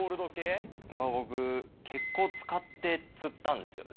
僕結構使って釣ったんですよね。